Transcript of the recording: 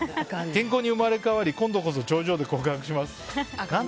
健康に生まれ変わり今度こそ頂上で告白します。